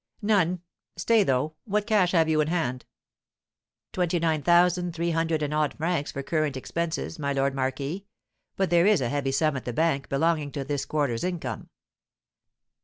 "None. Stay, though; what cash have you in hand?" "Twenty nine thousand three hundred and odd francs for current expenses, my lord marquis; but there is a heavy sum at the bank belonging to this quarter's income."